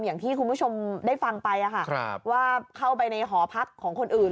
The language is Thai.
อย่างที่คุณผู้ชมได้ฟังไปว่าเข้าไปในหอพักของคนอื่น